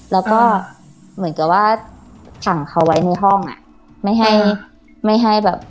แล้วก็เหมือนกับว่าขังเขาไว้ในห้องอ่ะไม่ให้ไม่ให้แบบ